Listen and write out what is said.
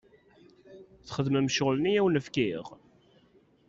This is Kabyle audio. Txedmem ccɣel-nni i awen-fkiɣ?